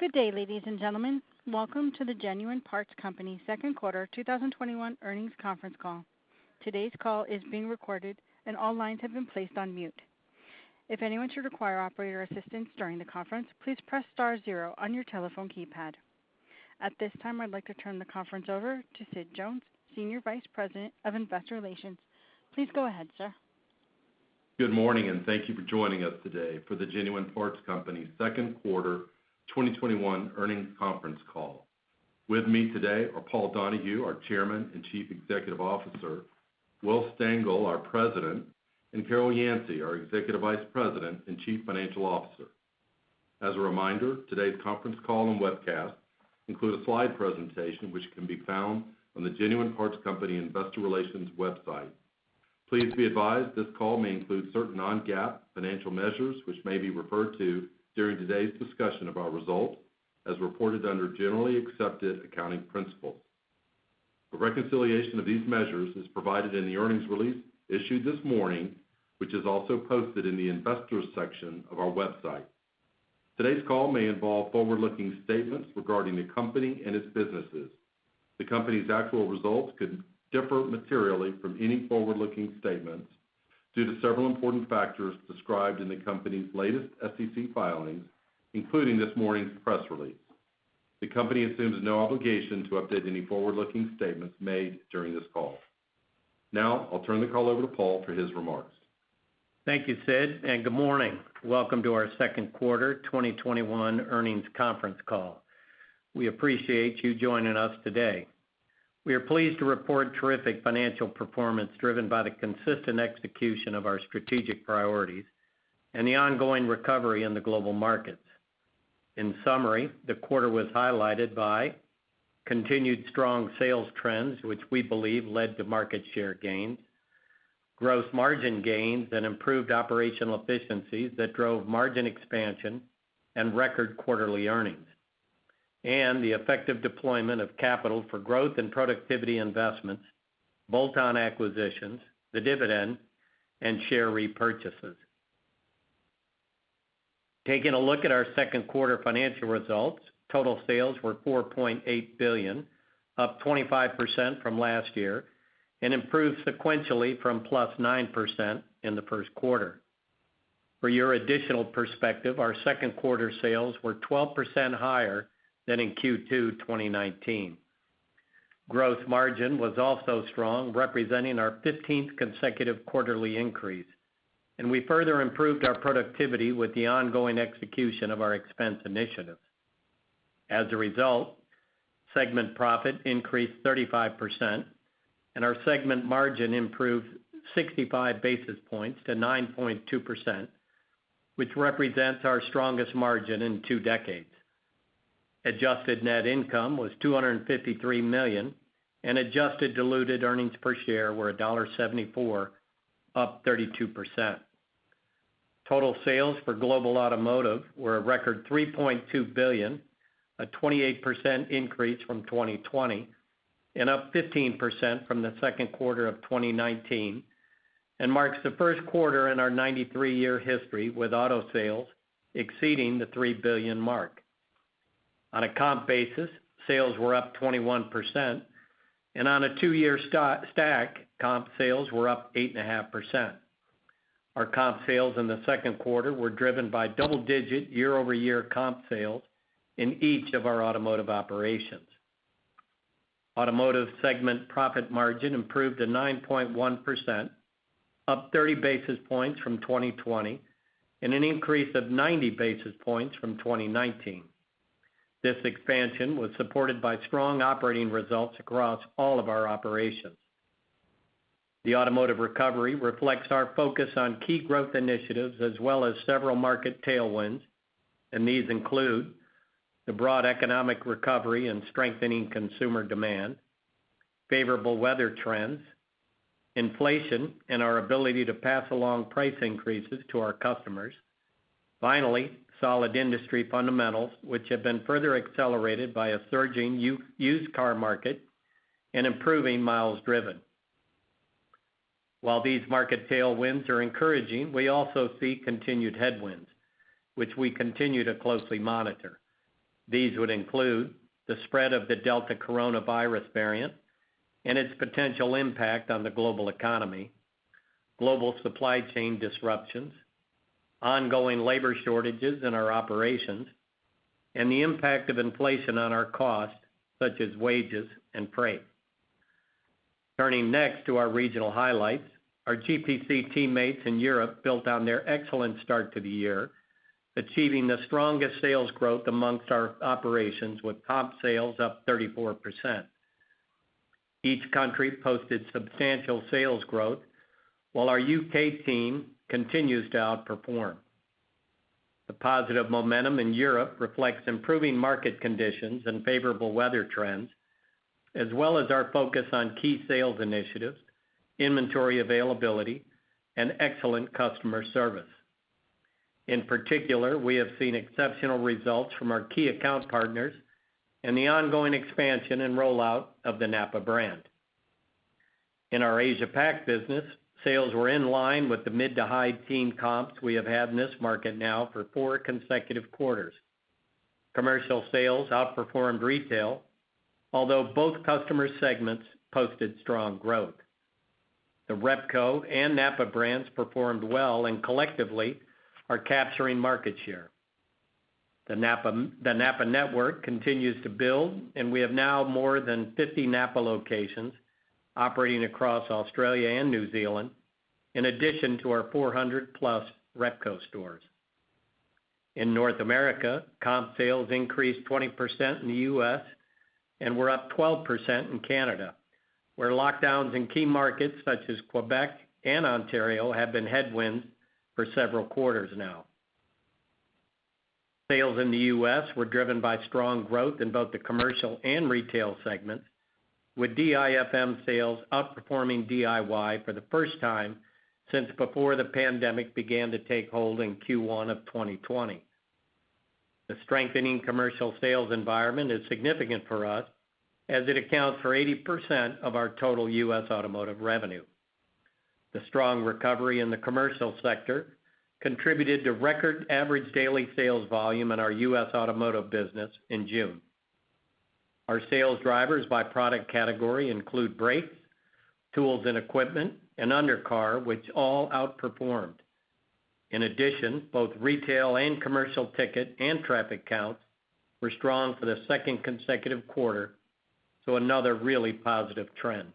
Good day, ladies and gentlemen. Welcome to the Genuine Parts Company second quarter 2021 earnings conference call. Today's call is being recorded, and all lines have been placed on mute. If anyone should require operator assistance during the conference, please press star zero on your telephone keypad. At this time, I'd like to turn the conference over to Sid Jones, Senior Vice President of Investor Relations. Please go ahead, sir. Good morning, thank you for joining us today for the Genuine Parts Company second quarter 2021 earnings conference call. With me today are Paul Donahue, our Chairman and Chief Executive Officer, Will Stengel, our President, and Carol Yancey, our Executive Vice President and Chief Financial Officer. As a reminder, today's conference call and webcast include a slide presentation which can be found on the Genuine Parts Company investor relations website. Please be advised this call may include certain non-GAAP financial measures, which may be referred to during today's discussion of our results as reported under generally accepted accounting principles. A reconciliation of these measures is provided in the earnings release issued this morning, which is also posted in the investors section of our website. Today's call may involve forward-looking statements regarding the company and its businesses. The company's actual results could differ materially from any forward-looking statements due to several important factors described in the company's latest SEC filings, including this morning's press release. The company assumes no obligation to update any forward-looking statements made during this call. Now, I'll turn the call over to Paul for his remarks. Thank you, Sid. Good morning. Welcome to our second quarter 2021 earnings conference call. We appreciate you joining us today. We are pleased to report terrific financial performance driven by the consistent execution of our strategic priorities and the ongoing recovery in the global markets. In summary, the quarter was highlighted by continued strong sales trends, which we believe led to market share gains, gross margin gains, and improved operational efficiencies that drove margin expansion and record quarterly earnings, and the effective deployment of capital for growth and productivity investments, bolt-on acquisitions, the dividend, and share repurchases. Taking a look at our second quarter financial results, total sales were $4.8 billion, up 25% from last year and improved sequentially from +9% in the first quarter. For your additional perspective, our second quarter sales were 12% higher than in Q2 2019. Gross margin was also strong, representing our 15th consecutive quarterly increase, and we further improved our productivity with the ongoing execution of our expense initiatives. As a result, segment profit increased 35%, and our segment margin improved 65 basis points to 9.2%, which represents our strongest margin in two decades. Adjusted net income was $253 million, and adjusted diluted earnings per share were $1.74, up 32%. Total sales for Global Automotive were a record $3.2 billion, a 28% increase from 2020, and up 15% from the second quarter of 2019 and marks the first quarter in our 93-year history with auto sales exceeding the $3 billion mark. On a comp basis, sales were up 21%, and on a two-year stack, comp sales were up 8.5%. Our comp sales in the second quarter were driven by double-digit year-over-year comp sales in each of our automotive operations. Automotive segment profit margin improved to 9.1%, up 30 basis points from 2020 and an increase of 90 basis points from 2019. This expansion was supported by strong operating results across all of our operations. These include the broad economic recovery and strengthening consumer demand, favorable weather trends, inflation, and our ability to pass along price increases to our customers. Finally, solid industry fundamentals, which have been further accelerated by a surging used car market and improving miles driven. While these market tailwinds are encouraging, we also see continued headwinds, which we continue to closely monitor. These would include the spread of the Delta coronavirus variant and its potential impact on the global economy, global supply chain disruptions, ongoing labor shortages in our operations, and the impact of inflation on our costs, such as wages and freight. Turning next to our regional highlights, our GPC teammates in Europe built on their excellent start to the year, achieving the strongest sales growth amongst our operations with comp sales up 34%. Each country posted substantial sales growth while our U.K. team continues to outperform. The positive momentum in Europe reflects improving market conditions and favorable weather trends, as well as our focus on key sales initiatives, inventory availability, and excellent customer service. In particular, we have seen exceptional results from our key account partners and the ongoing expansion and rollout of the NAPA brand. In our Asia-Pac business, sales were in line with the mid to high teen comps we have had in this market now for four consecutive quarters. Commercial sales outperformed retail, although both customer segments posted strong growth. The Repco and NAPA brands performed well and collectively are capturing market share. The NAPA network continues to build, and we have now more than 50 NAPA locations operating across Australia and New Zealand, in addition to our 400+ Repco stores. In North America, comp sales increased 20% in the U.S. and were up 12% in Canada, where lockdowns in key markets such as Quebec and Ontario have been headwinds for several quarters now. Sales in the U.S. were driven by strong growth in both the commercial and retail segments, with DIFM sales outperforming DIY for the first time since before the pandemic began to take hold in Q1 2020. The strengthening commercial sales environment is significant for us, as it accounts for 80% of our total U.S. automotive revenue. The strong recovery in the commercial sector contributed to record average daily sales volume in our U.S. automotive business in June. Our sales drivers by product category include brakes, tools and equipment, and undercar, which all outperformed. In addition, both retail and commercial ticket and traffic counts were strong for the second consecutive quarter. Another really positive trend.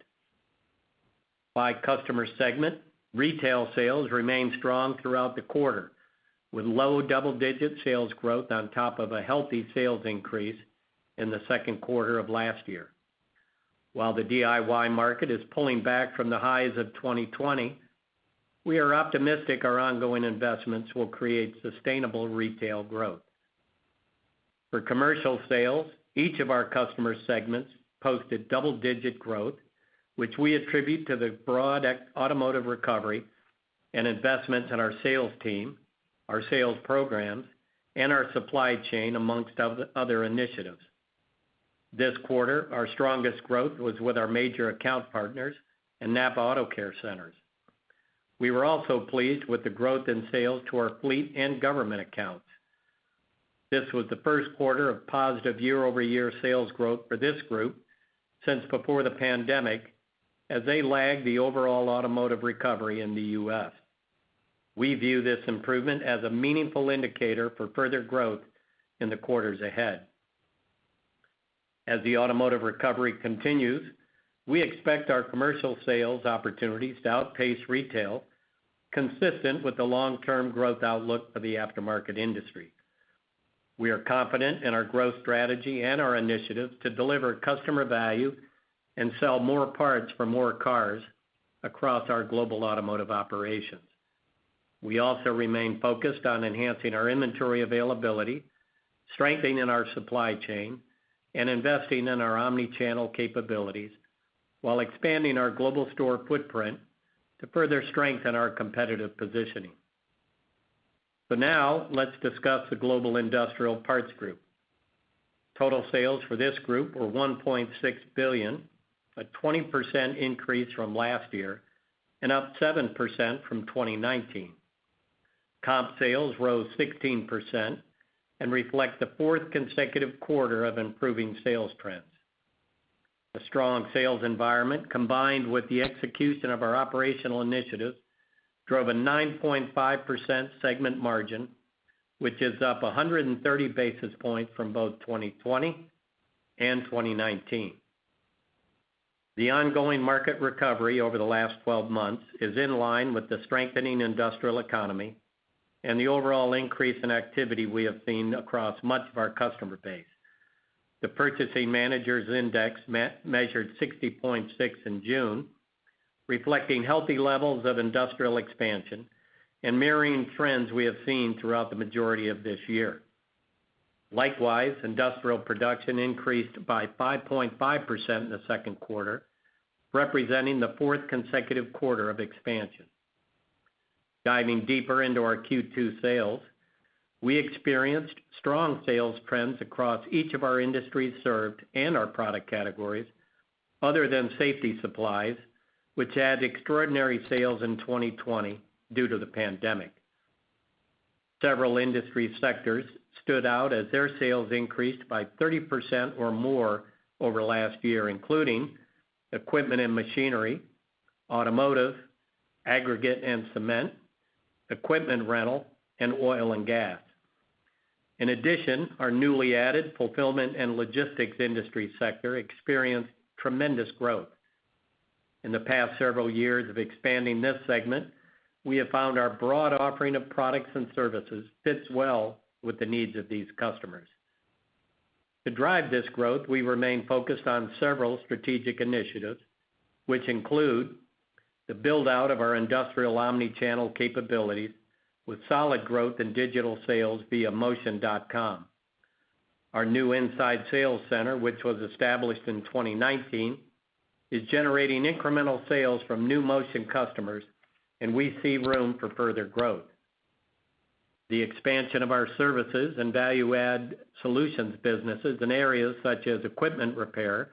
By customer segment, retail sales remained strong throughout the quarter, with low double-digit sales growth on top of a healthy sales increase in the second quarter of last year. While the DIY market is pulling back from the highs of 2020, we are optimistic our ongoing investments will create sustainable retail growth. For commercial sales, each of our customer segments posted double-digit growth, which we attribute to the broad automotive recovery and investments in our sales team, our sales programs, and our supply chain, amongst other initiatives. This quarter, our strongest growth was with our major account partners and NAPA Auto Care Centers. We were also pleased with the growth in sales to our fleet and government accounts. This was the first quarter of positive year-over-year sales growth for this group since before the pandemic, as they lagged the overall automotive recovery in the U.S. We view this improvement as a meaningful indicator for further growth in the quarters ahead. As the automotive recovery continues, we expect our commercial sales opportunities to outpace retail, consistent with the long-term growth outlook for the aftermarket industry. We are confident in our growth strategy and our initiatives to deliver customer value and sell more parts for more cars across our global automotive operations. We also remain focused on enhancing our inventory availability, strengthening our supply chain, and investing in our omnichannel capabilities while expanding our global store footprint to further strengthen our competitive positioning. Now, let's discuss the Global Industrial Parts Group. Total sales for this group were $1.6 billion, a 20% increase from last year and up 7% from 2019. Comp sales rose 16% and reflect the fourth consecutive quarter of improving sales trends. A strong sales environment, combined with the execution of our operational initiatives, drove a 9.5% segment margin, which is up 130 basis points from both 2020 and 2019. The ongoing market recovery over the last 12 months is in line with the strengthening industrial economy and the overall increase in activity we have seen across much of our customer base. The Purchasing Managers' Index measured 60.6 in June, reflecting healthy levels of industrial expansion and mirroring trends we have seen throughout the majority of this year. Likewise, industrial production increased by 5.5% in the second quarter, representing the fourth consecutive quarter of expansion. Diving deeper into our Q2 sales, we experienced strong sales trends across each of our industries served and our product categories other than safety supplies, which had extraordinary sales in 2020 due to the pandemic. Several industry sectors stood out as their sales increased by 30% or more over last year, including equipment and machinery, automotive, aggregate and cement, equipment rental, and oil and gas. In addition, our newly added fulfillment and logistics industry sector experienced tremendous growth. In the past several years of expanding this segment, we have found our broad offering of products and services fits well with the needs of these customers. To drive this growth, we remain focused on several strategic initiatives, which include the build-out of our industrial omnichannel capabilities with solid growth in digital sales via motion.com. Our new inside sales center, which was established in 2019, is generating incremental sales from new Motion customers, and we see room for further growth, the expansion of our services and value-add solutions businesses in areas such as equipment repair,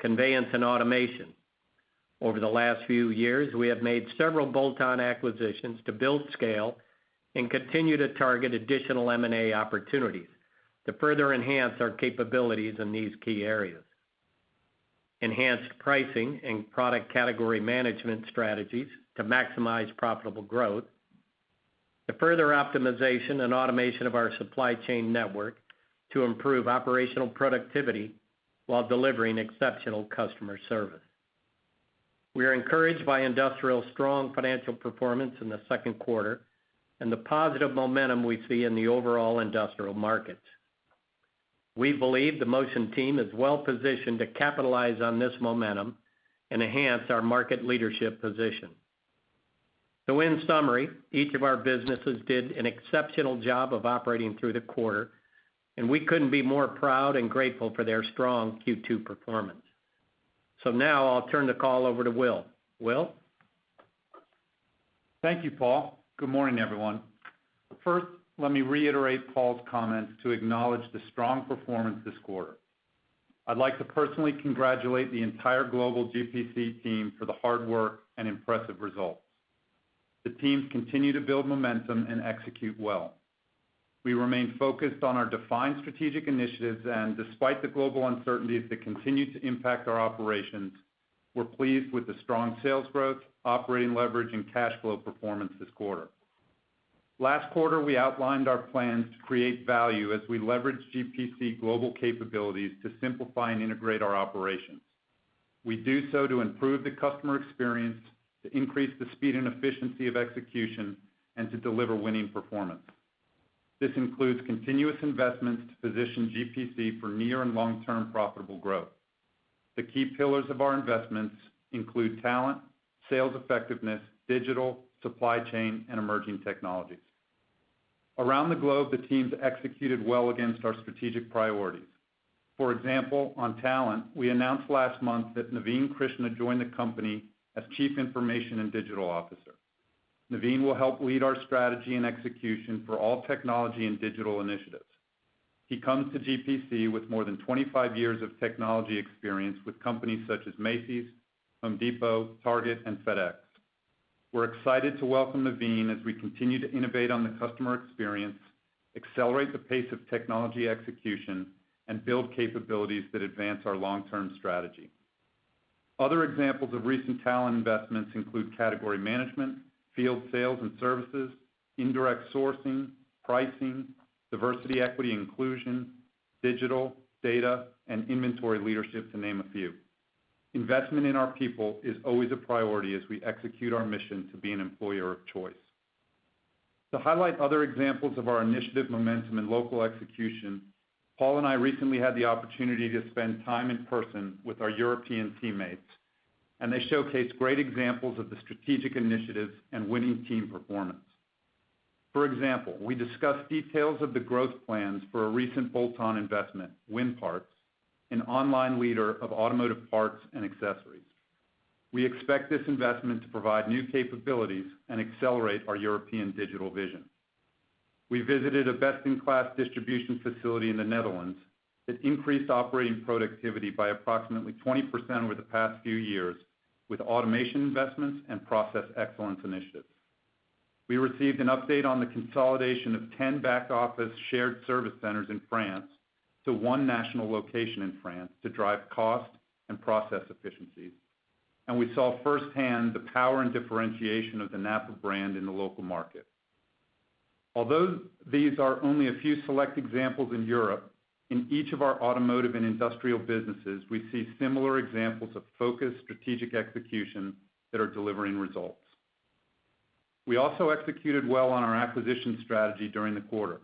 conveyance, and automation. Over the last few years, we have made several bolt-on acquisitions to build scale and continue to target additional M&A opportunities to further enhance our capabilities in these key areas. Enhanced pricing and product category management strategies to maximize profitable growth. The further optimization and automation of our supply chain network to improve operational productivity while delivering exceptional customer service. We are encouraged by Industrial's strong financial performance in the second quarter and the positive momentum we see in the overall industrial market. We believe the Motion team is well positioned to capitalize on this momentum and enhance our market leadership position. In summary, each of our businesses did an exceptional job of operating through the quarter, and we couldn't be more proud and grateful for their strong Q2 performance. Now I'll turn the call over to Will. Will? Thank you, Paul. Good morning, everyone. First, let me reiterate Paul's comments to acknowledge the strong performance this quarter. I'd like to personally congratulate the entire global GPC team for the hard work and impressive results. The teams continue to build momentum and execute well. We remain focused on our defined strategic initiatives, despite the global uncertainties that continue to impact our operations, we're pleased with the strong sales growth, operating leverage, and cash flow performance this quarter. Last quarter, we outlined our plans to create value as we leverage GPC global capabilities to simplify and integrate our operations. We do so to improve the customer experience, to increase the speed and efficiency of execution, to deliver winning performance. This includes continuous investments to position GPC for near and long-term profitable growth. The key pillars of our investments include talent, sales effectiveness, digital, supply chain, and emerging technologies. Around the globe, the teams executed well against our strategic priorities. For example, on talent, we announced last month that Naveen Krishna joined the company as Chief Information and Digital Officer. Naveen will help lead our strategy and execution for all technology and digital initiatives. He comes to GPC with more than 25 years of technology experience with companies such as Macy's, Home Depot, Target, and FedEx. We're excited to welcome Naveen as we continue to innovate on the customer experience, accelerate the pace of technology execution, and build capabilities that advance our long-term strategy. Other examples of recent talent investments include category management, field sales and services, indirect sourcing, pricing, diversity, equity, and inclusion, digital, data, and inventory leadership, to name a few. Investment in our people is always a priority as we execute our mission to be an employer of choice. To highlight other examples of our initiative momentum and local execution, Paul and I recently had the opportunity to spend time in person with our European teammates. They showcased great examples of the strategic initiatives and winning team performance. For example, we discussed details of the growth plans for a recent bolt-on investment, Winparts, an online leader of automotive parts and accessories. We expect this investment to provide new capabilities and accelerate our European digital vision. We visited a best-in-class distribution facility in the Netherlands that increased operating productivity by approximately 20% over the past few years with automation investments and process excellence initiatives. We received an update on the consolidation of 10 back-office shared service centers in France to one national location in France to drive cost and process efficiencies. We saw firsthand the power and differentiation of the NAPA brand in the local market. Although these are only a few select examples in Europe, in each of our Automotive and Industrial businesses, we see similar examples of focused strategic execution that are delivering results. We also executed well on our acquisition strategy during the quarter.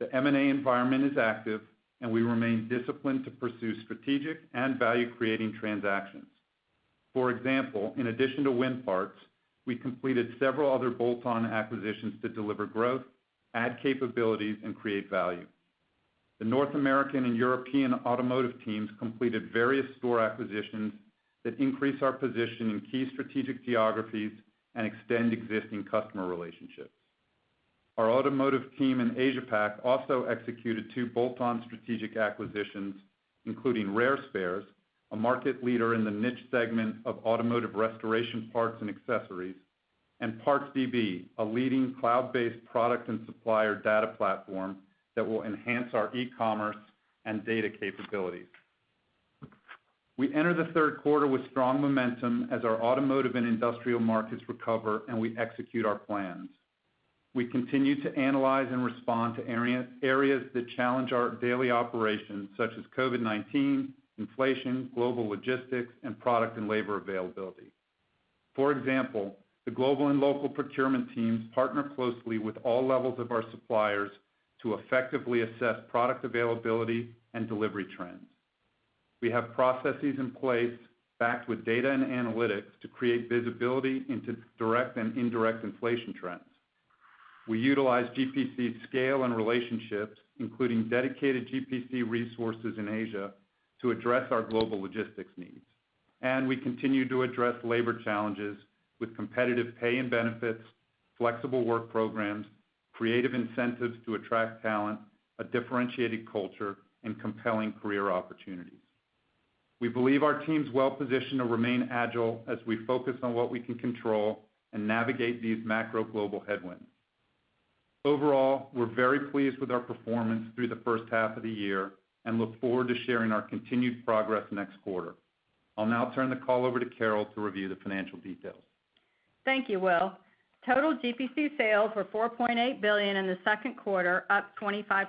The M&A environment is active, and we remain disciplined to pursue strategic and value-creating transactions. For example, in addition to Winparts, we completed several other bolt-on acquisitions to deliver growth, add capabilities, and create value. The North American and European automotive teams completed various store acquisitions that increase our position in key strategic geographies and extend existing customer relationships. Our automotive team in Asia-Pac also executed two bolt-on strategic acquisitions, including Rare Spares, a market leader in the niche segment of automotive restoration parts and accessories, and PARts DB, a leading cloud-based product and supplier data platform that will enhance our e-commerce and data capabilities. We enter the third quarter with strong momentum as our automotive and industrial markets recover and we execute our plans. We continue to analyze and respond to areas that challenge our daily operations, such as COVID-19, inflation, global logistics, and product and labor availability. For example, the global and local procurement teams partner closely with all levels of our suppliers to effectively assess product availability and delivery trends. We have processes in place backed with data and analytics to create visibility into direct and indirect inflation trends. We utilize GPC's scale and relationships, including dedicated GPC resources in Asia, to address our global logistics needs. We continue to address labor challenges with competitive pay and benefits, flexible work programs, creative incentives to attract talent, a differentiated culture, and compelling career opportunities. We believe our team's well-positioned to remain agile as we focus on what we can control and navigate these macro global headwinds. Overall, we're very pleased with our performance through the first half of the year and look forward to sharing our continued progress next quarter. I'll now turn the call over to Carol to review the financial details. Thank you, Will. Total GPC sales were $4.8 billion in the second quarter, up 25%.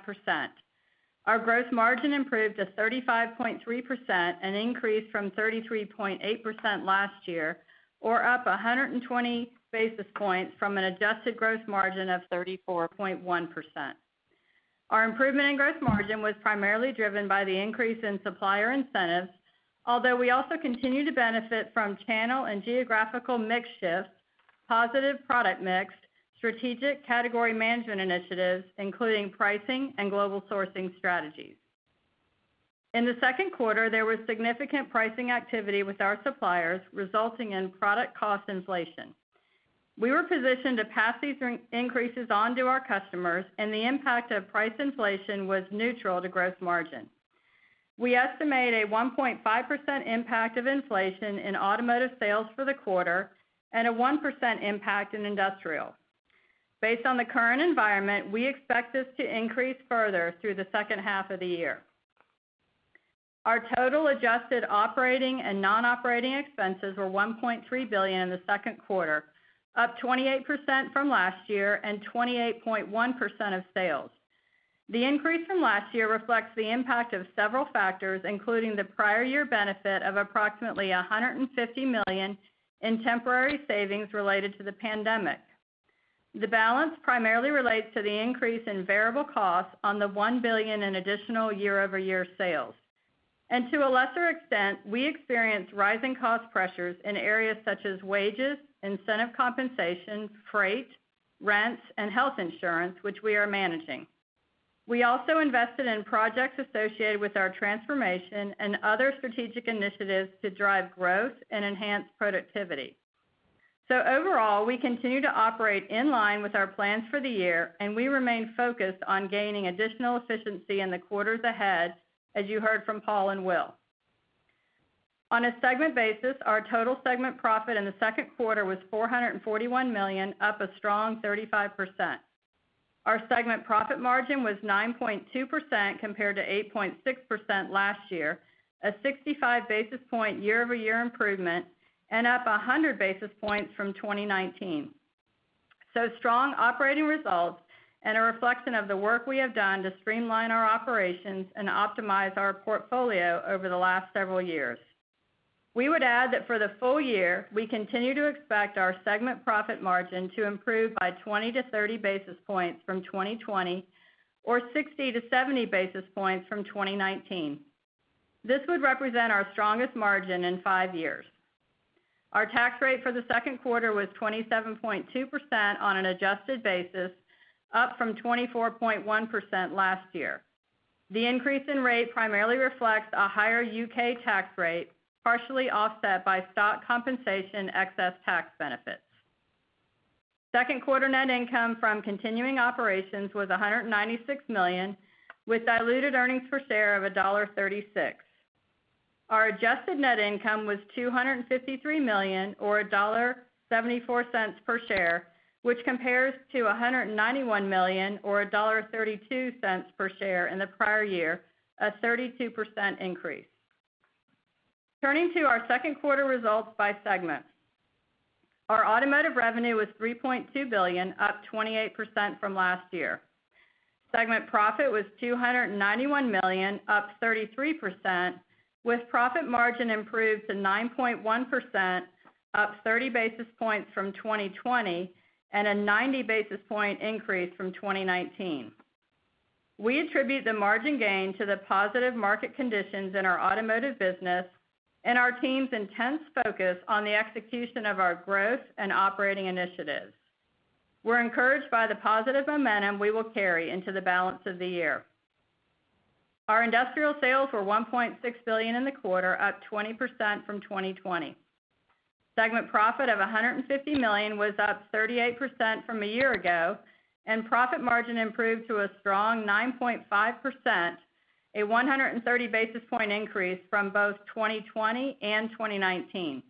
Our gross margin improved to 35.3%, an increase from 33.8% last year, or up 120 basis points from an adjusted gross margin of 34.1%. Our improvement in gross margin was primarily driven by the increase in supplier incentives, although we also continue to benefit from channel and geographical mix shifts, positive product mix, strategic category management initiatives, including pricing and global sourcing strategies. In the second quarter, there was significant pricing activity with our suppliers, resulting in product cost inflation. We were positioned to pass these increases on to our customers, and the impact of price inflation was neutral to gross margin. We estimate a 1.5% impact of inflation in automotive sales for the quarter and a 1% impact in industrial. Based on the current environment, we expect this to increase further through the second half of the year. Our total adjusted operating and non-operating expenses were $1.3 billion in the second quarter, up 28% from last year and 28.1% of sales. The increase from last year reflects the impact of several factors, including the prior year benefit of approximately $150 million in temporary savings related to the pandemic. The balance primarily relates to the increase in variable costs on the $1 billion in additional year-over-year sales. To a lesser extent, we experienced rising cost pressures in areas such as wages, incentive compensation, freight, rents, and health insurance, which we are managing. We also invested in projects associated with our transformation and other strategic initiatives to drive growth and enhance productivity. Overall, we continue to operate in line with our plans for the year, and we remain focused on gaining additional efficiency in the quarters ahead, as you heard from Paul and Will. On a segment basis, our total segment profit in the second quarter was $441 million, up a strong 35%. Our segment profit margin was 9.2% compared to 8.6% last year, a 65 basis point year-over-year improvement and up 100 basis points from 2019. Strong operating results and a reflection of the work we have done to streamline our operations and optimize our portfolio over the last several years. We would add that for the full year, we continue to expect our segment profit margin to improve by 20-30 basis points from 2020 or 60-70 basis points from 2019. This would represent our strongest margin in five years. Our tax rate for the second quarter was 27.2% on an adjusted basis, up from 24.1% last year. The increase in rate primarily reflects a higher U.K. tax rate, partially offset by stock compensation excess tax benefits. Second quarter net income from continuing operations was $196 million, with diluted earnings per share of $1.36. Our adjusted net income was $253 million or $1.74 per share, which compares to $191 million or $1.32 per share in the prior year, a 32% increase. Turning to our second quarter results by segment. Our Automotive revenue was $3.2 billion, up 28% from last year. Segment profit was $291 million, up 33%, with profit margin improved to 9.1%, up 30 basis points from 2020 and a 90 basis point increase from 2019. We attribute the margin gain to the positive market conditions in our automotive business and our team's intense focus on the execution of our growth and operating initiatives. We're encouraged by the positive momentum we will carry into the balance of the year. Our Industrial sales were $1.6 billion in the quarter, up 20% from 2020. Segment profit of $150 million was up 38% from a year ago, and profit margin improved to a strong 9.5%, a 130 basis point increase from both 2020 and 2019.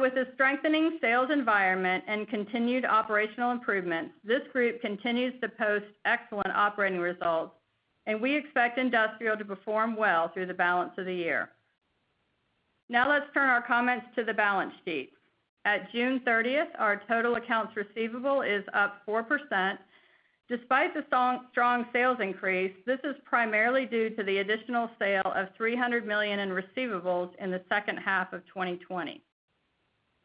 With the strengthening sales environment and continued operational improvements, this group continues to post excellent operating results, and we expect Industrial to perform well through the balance of the year. Let's turn our comments to the balance sheet. At June 30th, our total accounts receivable is up 4%. Despite the strong sales increase, this is primarily due to the additional sale of $300 million in receivables in the second half of 2020.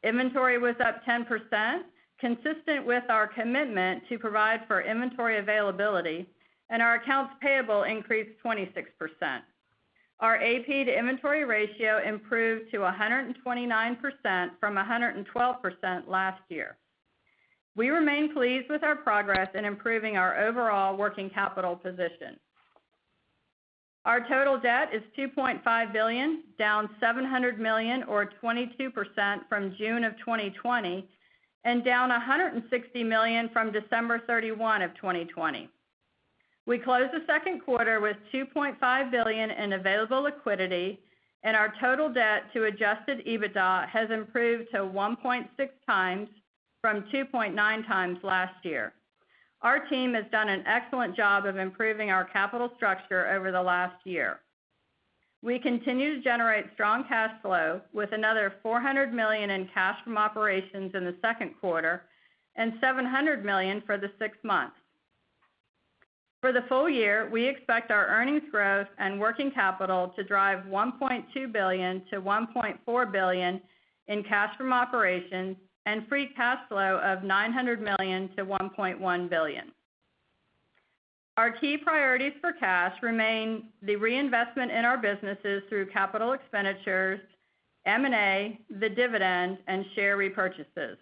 Inventory was up 10%, consistent with our commitment to provide for inventory availability, and our accounts payable increased 26%. Our AP to inventory ratio improved to 129% from 112% last year. We remain pleased with our progress in improving our overall working capital position. Our total debt is $2.5 billion, down $700 million or 22% from June of 2020, and down $160 million from December 31 of 2020. We closed the second quarter with $2.5 billion in available liquidity, and our total debt to adjusted EBITDA has improved to 1.6x from 2.9x last year. Our team has done an excellent job of improving our capital structure over the last year. We continue to generate strong cash flow with another $400 million in cash from operations in the second quarter and $700 million for the six months. For the full year, we expect our earnings growth and working capital to drive $1.2 billion-$1.4 billion in cash from operations and free cash flow of $900 million-$1.1 billion. Our key priorities for cash remain the reinvestment in our businesses through capital expenditures, M&A, the dividend, and share repurchases.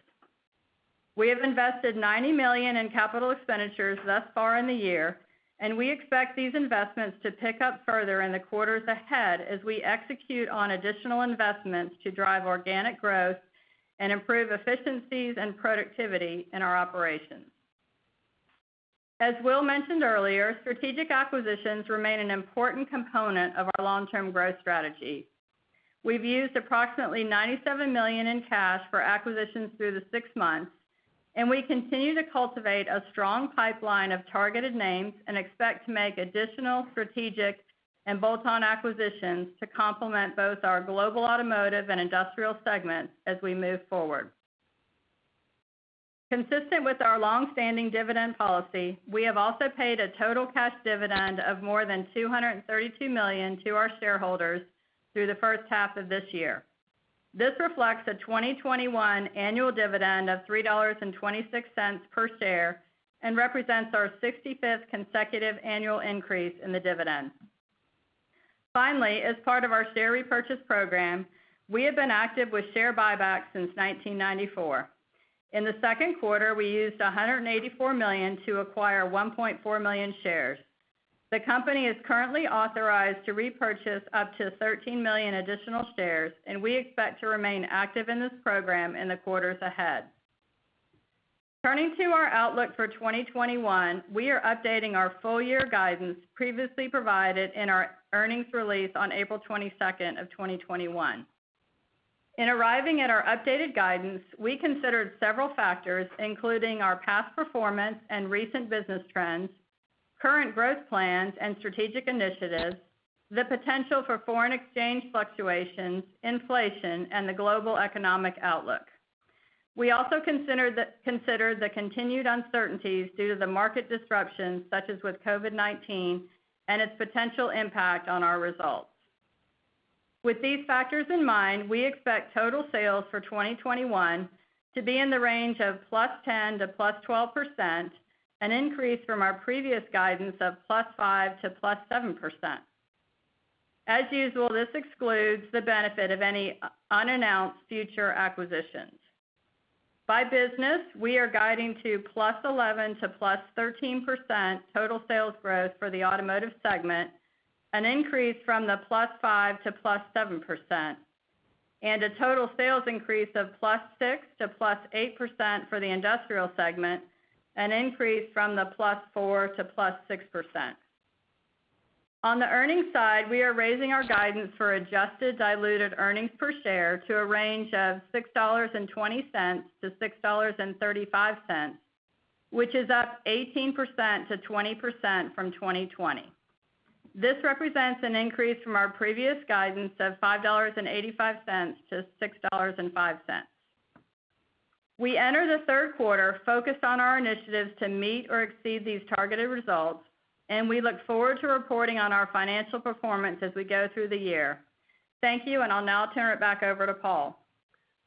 We have invested $90 million in capital expenditures thus far in the year, and we expect these investments to pick up further in the quarters ahead as we execute on additional investments to drive organic growth and improve efficiencies and productivity in our operations. As Will mentioned earlier, strategic acquisitions remain an important component of our long-term growth strategy. We've used approximately $97 million in cash for acquisitions through the six months, and we continue to cultivate a strong pipeline of targeted names and expect to make additional strategic and bolt-on acquisitions to complement both our Global Automotive and industrial segments as we move forward. Consistent with our longstanding dividend policy, we have also paid a total cash dividend of more than $232 million to our shareholders through the first half of this year. This reflects a 2021 annual dividend of $3.26 per share and represents our 65th consecutive annual increase in the dividend. Finally, as part of our share repurchase program, we have been active with share buybacks since 1994. In the second quarter, we used $184 million to acquire 1.4 million shares. The company is currently authorized to repurchase up to 13 million additional shares, and we expect to remain active in this program in the quarters ahead. Turning to our outlook for 2021, we are updating our full-year guidance previously provided in our earnings release on April 22nd of 2021. In arriving at our updated guidance, we considered several factors, including our past performance and recent business trends, current growth plans and strategic initiatives, the potential for foreign exchange fluctuations, inflation, and the global economic outlook. We also considered the continued uncertainties due to the market disruptions, such as with COVID-19 and its potential impact on our results. With these factors in mind, we expect total sales for 2021 to be in the range of +10% to +12%, an increase from our previous guidance of +5% to +7%. As usual, this excludes the benefit of any unannounced future acquisitions. By business, we are guiding to +11% to +13% total sales growth for the Automotive segment, an increase from the +5% to +7%, and a total sales increase of +6% to +8% for the Industrial segment, an increase from the +4% to +6%. On the earnings side, we are raising our guidance for adjusted diluted earnings per share to a range of $6.20-$6.35, which is up 18%-20% from 2020. This represents an increase from our previous guidance of $5.85-$6.05. We enter the third quarter focused on our initiatives to meet or exceed these targeted results, and we look forward to reporting on our financial performance as we go through the year. Thank you, and I'll now turn it back over to Paul.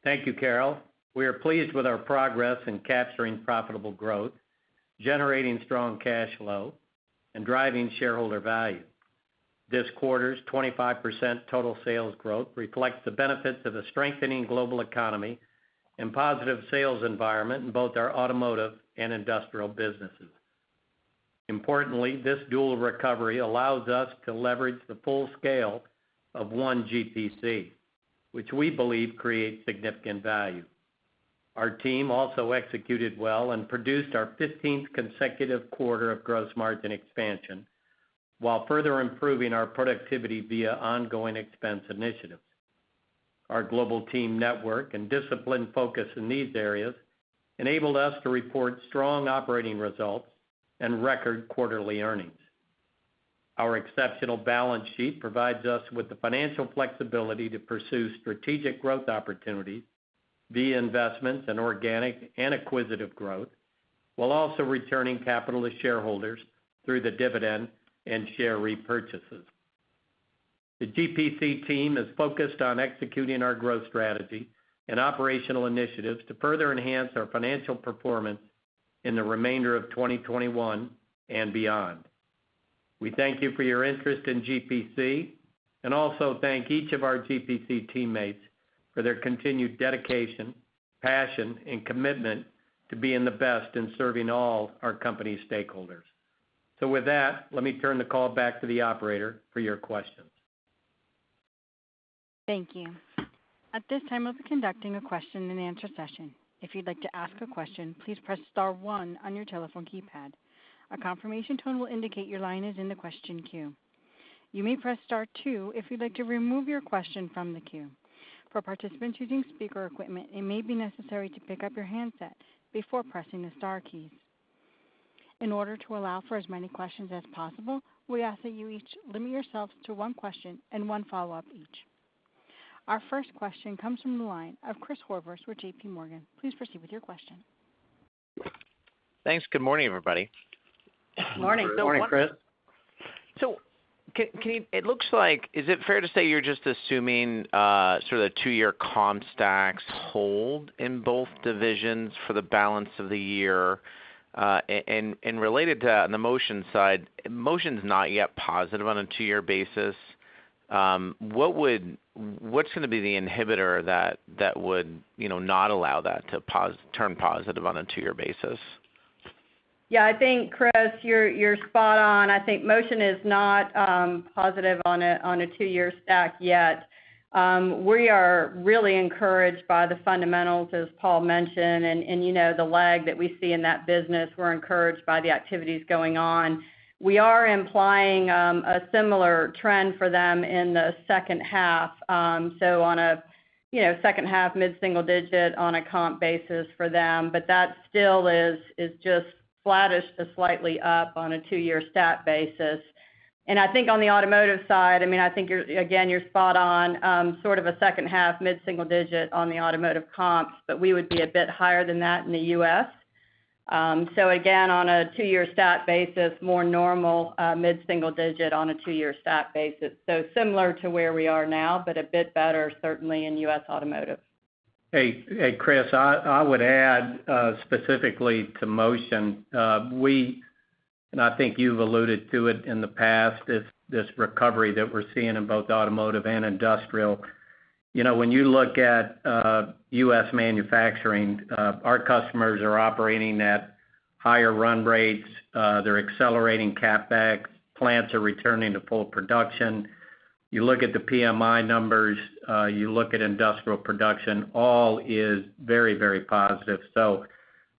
Thank you, Carol. We are pleased with our progress in capturing profitable growth, generating strong cash flow, and driving shareholder value. This quarter's 25% total sales growth reflects the benefits of a strengthening global economy and positive sales environment in both our Automotive and Industrial businesses. Importantly, this dual recovery allows us to leverage the full scale of One GPC, which we believe creates significant value. Our team also executed well and produced our 15th consecutive quarter of gross margin expansion while further improving our productivity via ongoing expense initiatives. Our global team network and disciplined focus in these areas enabled us to report strong operating results and record quarterly earnings. Our exceptional balance sheet provides us with the financial flexibility to pursue strategic growth opportunities via investments in organic and acquisitive growth, while also returning capital to shareholders through the dividend and share repurchases. The GPC team is focused on executing our growth strategy and operational initiatives to further enhance our financial performance in the remainder of 2021 and beyond. We thank you for your interest in GPC, and also thank each of our GPC teammates for their continued dedication, passion, and commitment to being the best in serving all our company stakeholders. With that, let me turn the call back to the operator for your questions. Thank you. At this time, we'll be conducting a question and answer session. If you'd like to ask a question, please press star one on your telephone keypad. A confirmation tone will indicate your line is in the question queue. You may press star two if you'd like to remove your question from the queue. For participants using speaker equipment, it may be necessary to pick up your handset before pressing the star keys. In order to allow for as many questions as possible, we ask that you each limit yourselves to one question and one follow-up each. Our first question comes from the line of Chris Horvers with JPMorgan. Please proceed with your question. Thanks. Good morning, everybody. Morning. Morning, Chris. It looks like, is it fair to say you're just assuming sort of the two-year comp stacks hold in both divisions for the balance of the year? Related to that, on the Motion side, Motion's not yet positive on a two-year basis. What's going to be the inhibitor that would not allow that to turn positive on a two-year basis? I think, Chris, you're spot on. I think Motion is not positive on a two-year stack yet. We are really encouraged by the fundamentals, as Paul mentioned, and the lag that we see in that business. We're encouraged by the activities going on. We are implying a similar trend for them in the second half. On a second half mid-single digit on a comp basis for them. That still is just flattish to slightly up on a two-year stack basis. I think on the automotive side, I think, again, you're spot on, sort of a second half mid-single digit on the automotive comps, but we would be a bit higher than that in the U.S. Again, on a two-year stat basis, more normal mid-single digit on a two-year stack basis. Similar to where we are now, but a bit better certainly in U.S. automotive. Hey, Chris, I would add specifically to Motion. We, I think you've alluded to it in the past, this recovery that we're seeing in both automotive and industrial. When you look at U.S. manufacturing, our customers are operating at higher run rates. They're accelerating CapEx. Plants are returning to full production. You look at the PMI numbers, you look at industrial production, all is very positive.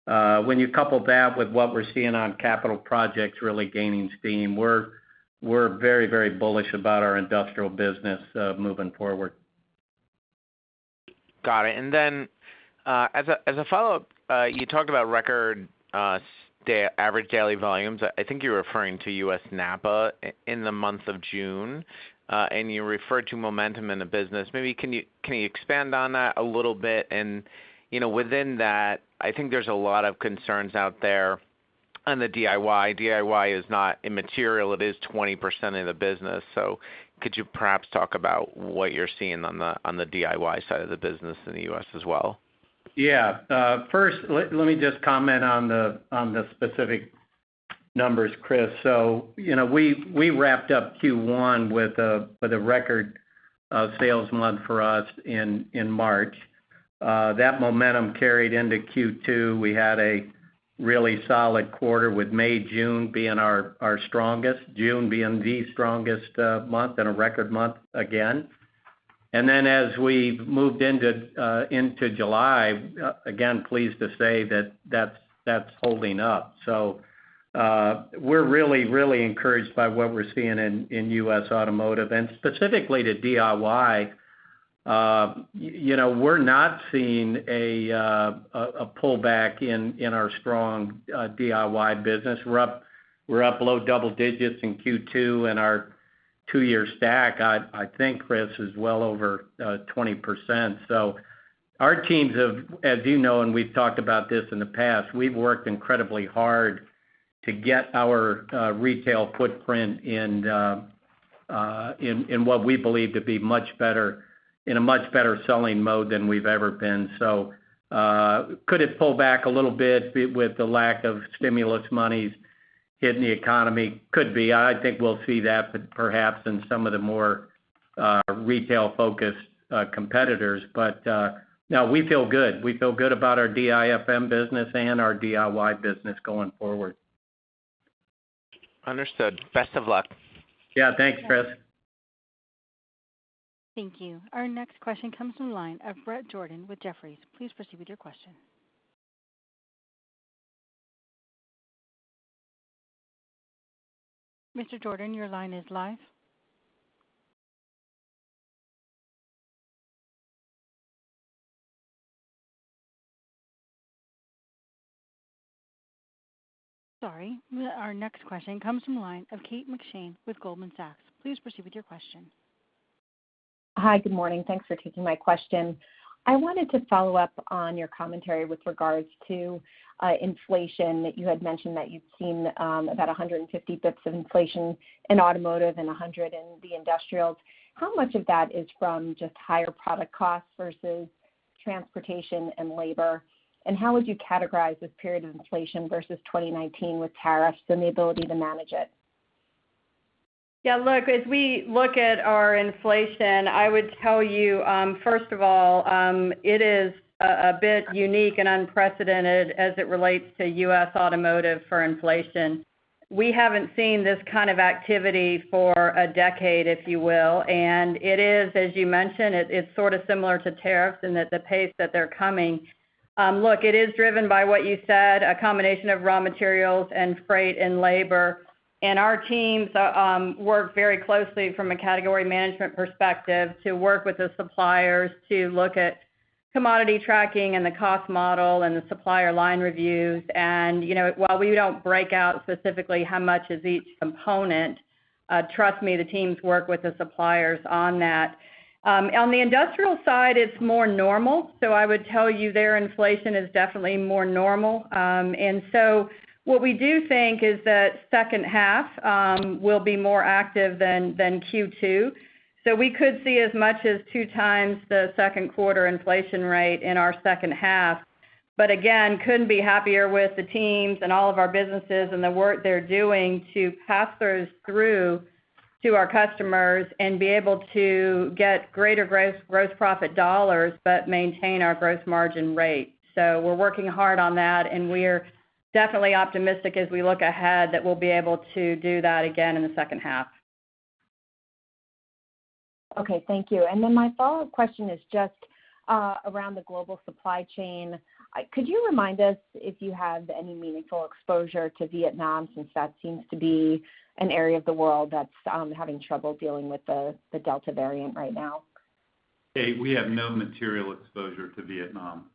When you couple that with what we're seeing on capital projects really gaining steam, we're very bullish about our industrial business moving forward. Got it. Then as a follow-up, you talked about record average daily volumes. I think you were referring to U.S. NAPA in the month of June, and you referred to momentum in the business. Maybe can you expand on that a little bit? Within that, I think there's a lot of concerns out there on the DIY. DIY is not immaterial. It is 20% of the business. Could you perhaps talk about what you're seeing on the DIY side of the business in the U.S. as well? First, let me just comment on the specific numbers, Chris. We wrapped up Q1 with a record sales month for us in March. That momentum carried into Q2. We had a really solid quarter with May, June being our strongest, June being the strongest month and a record month again. Then as we moved into July, again, pleased to say that that's holding up. We're really encouraged by what we're seeing in U.S. Automotive, and specifically to DIY. We're not seeing a pullback in our strong DIY business. We're up low double digits in Q2, and our two-year stack, I think, Chris, is well over 20%. Our teams have, as you know, and we've talked about this in the past, we've worked incredibly hard to get our retail footprint in what we believe to be in a much better selling mode than we've ever been. Could it pull back a little bit with the lack of stimulus monies hitting the economy? Could be. I think we'll see that perhaps in some of the more retail-focused competitors. No, we feel good. We feel good about our DIFM business and our DIY business going forward. Understood. Best of luck. Yeah, thanks, Chris. Thank you. Our next question comes from the line of Bret Jordan with Jefferies. Please proceed with your question. Mr. Jordan, your line is live. Sorry. Our next question comes from the line of Kate McShane with Goldman Sachs. Please proceed with your question. Hi. Good morning. Thanks for taking my question. I wanted to follow up on your commentary with regards to inflation, that you had mentioned that you'd seen about 150 basis points of inflation in automotive and 100 basis points in the industrials. How much of that is from just higher product costs versus transportation and labor? How would you categorize this period of inflation versus 2019 with tariffs and the ability to manage it? Yeah, look, as we look at our inflation, I would tell you, first of all, it is a bit unique and unprecedented as it relates to U.S. automotive for inflation. We haven't seen this kind of activity for a decade, if you will, and it is, as you mentioned, it is sort of similar to tariffs and at the pace that they're coming. Look, it is driven by what you said, a combination of raw materials and freight and labor. Our teams work very closely from a category management perspective to work with the suppliers to look at commodity tracking and the cost model and the supplier line reviews. While we don't break out specifically how much is each component, trust me, the teams work with the suppliers on that. On the industrial side, it's more normal. I would tell you there, inflation is definitely more normal. What we do think is that second half will be more active than Q2. We could see as much as two times the second quarter inflation rate in our second half. Again, couldn't be happier with the teams and all of our businesses and the work they're doing to pass those through to our customers and be able to get greater gross profit dollars, but maintain our gross margin rate. We're working hard on that, and we're definitely optimistic as we look ahead that we'll be able to do that again in the second half. Okay. Thank you. My follow-up question is just around the global supply chain. Could you remind us if you have any meaningful exposure to Vietnam, since that seems to be an area of the world that's having trouble dealing with the Delta variant right now? Kate, we have no material exposure to Vietnam.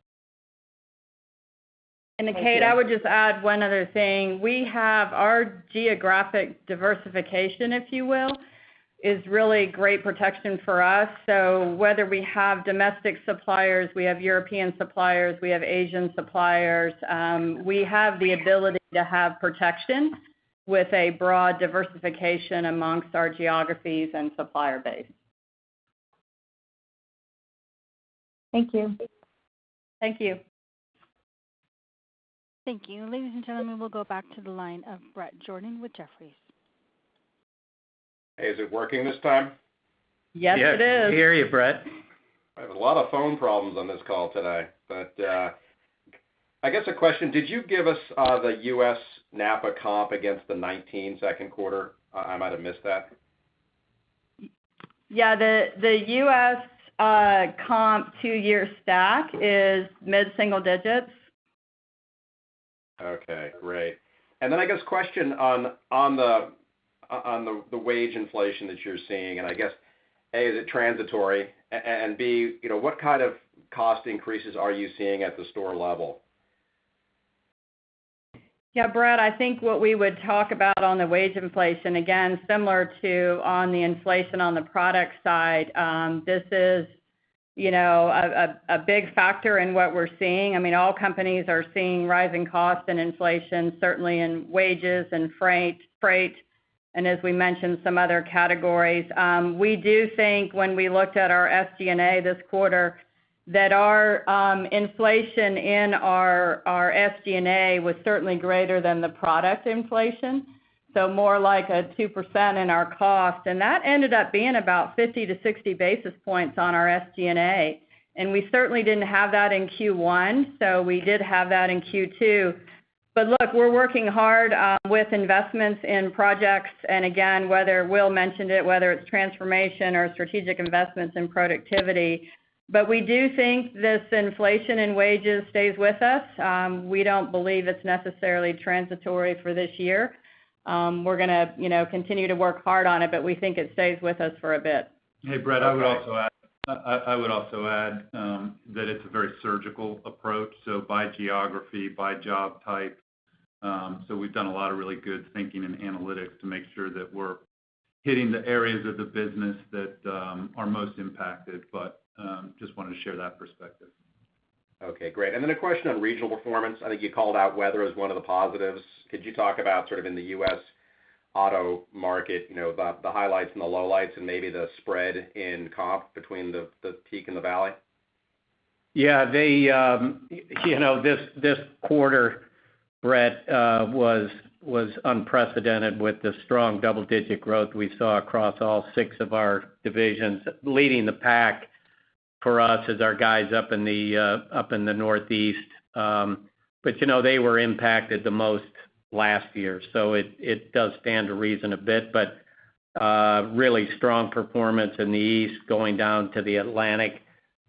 Kate, I would just add one other thing. We have our geographic diversification, if you will, is really great protection for us. Whether we have domestic suppliers, we have European suppliers, we have Asian suppliers, we have the ability to have protection with a broad diversification amongst our geographies and supplier base. Thank you. Thank you. Thank you. Ladies and gentlemen, we'll go back to the line of Bret Jordan with Jefferies. Hey, is it working this time? Yes, it is. Yes, we hear you, Bret. I have a lot of phone problems on this call today. I guess a question, did you give us the U.S. NAPA comp against the 2019 second quarter? I might have missed that. Yeah, the U.S. comp two-year stack is mid-single digits. Okay, great. Then I guess question on the wage inflation that you're seeing, and I guess, A, is it transitory, and B, what kind of cost increases are you seeing at the store level? Yeah, Bret, I think what we would talk about on the wage inflation, again, similar to on the inflation on the product side, this is a big factor in what we're seeing. All companies are seeing rising costs and inflation, certainly in wages and freight, and as we mentioned, some other categories. We do think when we looked at our SG&A this quarter, that our inflation in our SG&A was certainly greater than the product inflation, so more like a 2% in our cost. That ended up being about 50-60 basis points on our SG&A. We certainly didn't have that in Q1, so we did have that in Q2. Look, we're working hard with investments in projects, and again, whether Will mentioned it, whether it's transformation or strategic investments in productivity, but we do think this inflation in wages stays with us. We don't believe it's necessarily transitory for this year. We're going to continue to work hard on it, but we think it stays with us for a bit. Hey, Bret, I would also add that it's a very surgical approach, by geography, by job type. We've done a lot of really good thinking and analytics to make sure that we're hitting the areas of the business that are most impacted, but just wanted to share that perspective. Okay, great. A question on regional performance. I think you called out weather as one of the positives. Could you talk about sort of in the U.S. auto market, about the highlights and the lowlights and maybe the spread in comp between the peak and the valley? This quarter, Bret, was unprecedented with the strong double-digit growth we saw across all six of our divisions. Leading the pack for us is our guys up in the Northeast. They were impacted the most last year, so it does stand to reason a bit, but really strong performance in the East going down to the Atlantic.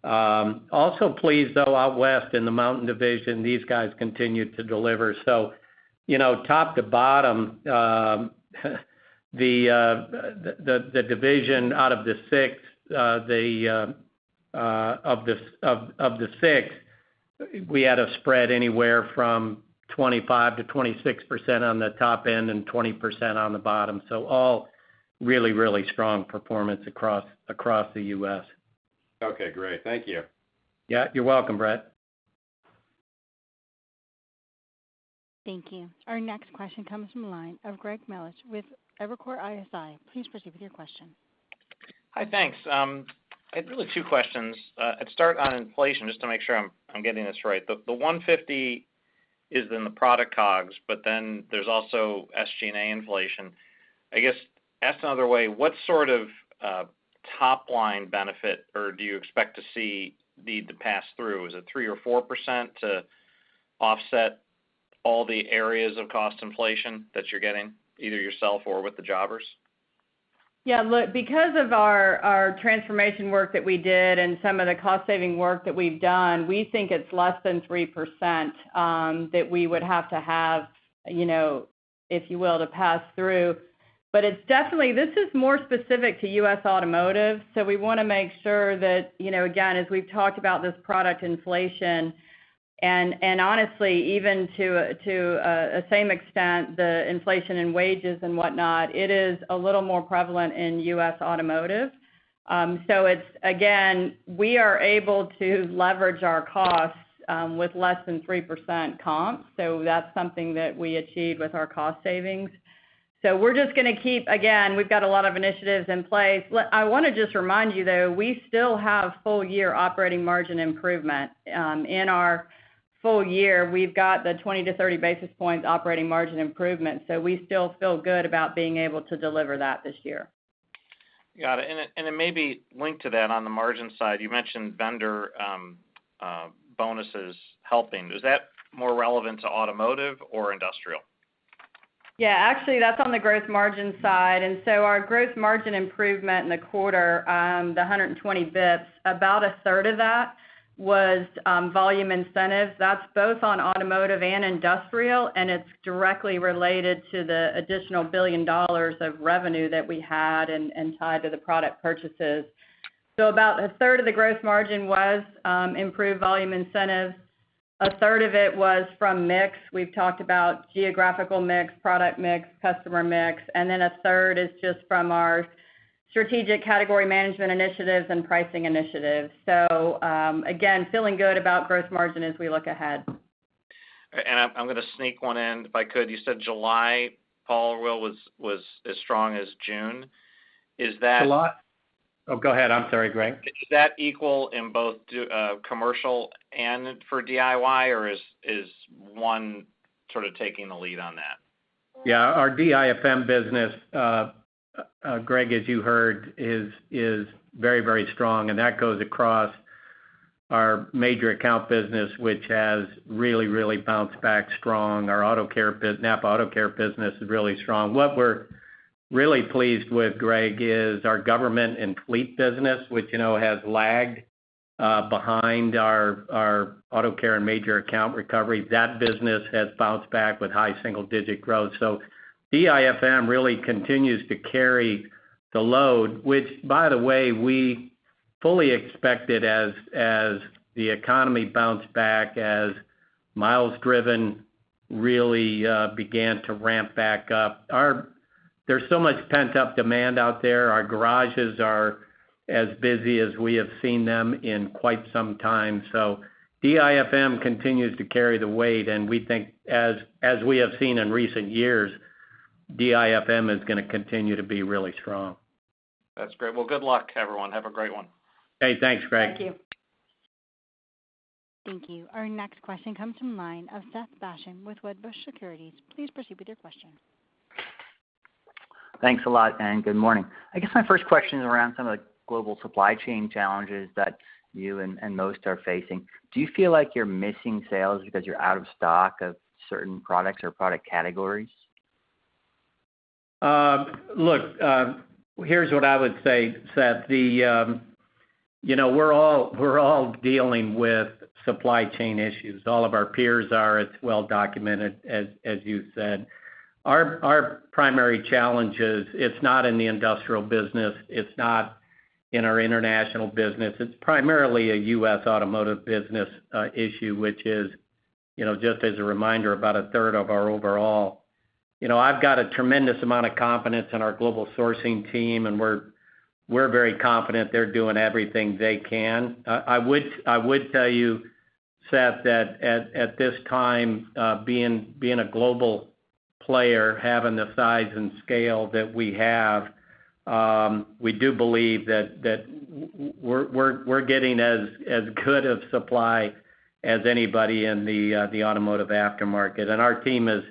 Also pleased, though, out west in the Mountain Division, these guys continued to deliver. Top to bottom, the division out of the six, we had a spread anywhere from 25%-26% on the top end and 20% on the bottom. All really strong performance across the U.S. Okay, great. Thank you. Yeah. You're welcome, Bret. Thank you. Our next question comes from the line of Greg Melich with Evercore ISI. Please proceed with your question. Hi, thanks. I have really two questions. I'd start on inflation, just to make sure I'm getting this right. The 150 is in the product COGS, but then there's also SG&A inflation. I guess, asked another way, what sort of top-line benefit or do you expect to see need to pass through? Is it 3% or 4% to offset all the areas of cost inflation that you're getting, either yourself or with the jobbers? Because of our transformation work that we did and some of the cost-saving work that we've done, we think it's less than 3% that we would have to have, if you will, to pass through. It's definitely, this is more specific to U.S. automotive, so we want to make sure that, again, as we've talked about this product inflation, and honestly, even to a same extent, the inflation in wages and whatnot, it is a little more prevalent in U.S. automotive. It's, again, we are able to leverage our costs with less than 3% comp. That's something that we achieved with our cost savings. We're just going to keep, again, we've got a lot of initiatives in place. I want to just remind you, though, we still have full-year operating margin improvement. In our full year, we've got the 20-30 basis points operating margin improvement, so we still feel good about being able to deliver that this year. Got it. It may be linked to that on the margin side, you mentioned vendor bonuses helping. Is that more relevant to automotive or industrial? Yeah. Actually, that's on the gross margin side. Our gross margin improvement in the quarter, the 120 basis points, about a third of that was volume incentives. That's both on automotive and industrial, and it's directly related to the additional $1 billion of revenue that we had and tied to the product purchases. About a third of the gross margin was improved volume incentives. A third of it was from mix. We've talked about geographical mix, product mix, customer mix, and then a third is just from our strategic category management initiatives and pricing initiatives. Again, feeling good about gross margin as we look ahead. I'm going to sneak one in if I could. You said July, Paul or Will, was as strong as June. Is that? July. Oh, go ahead. I'm sorry, Greg. is that equal in both commercial and for DIY, or is one sort of taking the lead on that? Our DIFM business, Greg, as you heard, is very strong, and that goes across our major account business, which has really bounced back strong. Our NAPA Auto Care business is really strong. What we're really pleased with, Greg, is our government and fleet business, which has lagged behind our Auto Care and major account recovery. That business has bounced back with high single-digit growth. DIFM really continues to carry the load, which by the way, we fully expected as the economy bounced back, as miles driven really began to ramp back up. There is so much pent-up demand out there. Our garages are as busy as we have seen them in quite some time. DIFM continues to carry the weight, and we think, as we have seen in recent years, DIFM is going to continue to be really strong. That's great. Well, good luck, everyone. Have a great one. Okay, thanks, Greg. Thank you. Thank you. Our next question comes from the line of Seth Basham with Wedbush Securities. Please proceed with your question. Thanks a lot, good morning. I guess my first question is around some of the global supply chain challenges that you and most are facing. Do you feel like you're missing sales because you're out of stock of certain products or product categories? Look, here's what I would say, Seth. We're all dealing with supply chain issues. All of our peers are. It's well-documented, as you said. Our primary challenge is, it's not in the industrial business. It's not in our international business. It's primarily a U.S. automotive business issue, which is, just as a reminder, about a third of our overall. I've got a tremendous amount of confidence in our global sourcing team, and we're very confident they're doing everything they can. I would tell you, Seth, that at this time, being a global player, having the size and scale that we have, we do believe that we're getting as good of supply as anybody in the automotive aftermarket, and our team is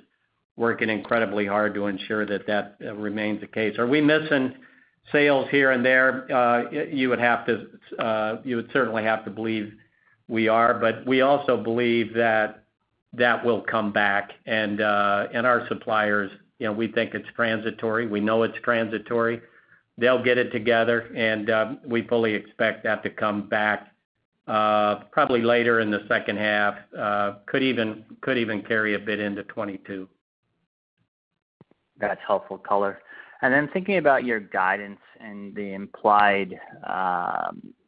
working incredibly hard to ensure that that remains the case. Are we missing sales here and there? You would certainly have to believe we are, but we also believe that that will come back, and our suppliers, we think it's transitory. We know it's transitory. They'll get it together, and we fully expect that to come back probably later in the second half. Could even carry a bit into 2022. That's helpful color. Thinking about your guidance and the implied